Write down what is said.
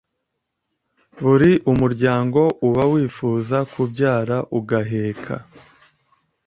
buri umuryango uba wifuza kubyara ugaheka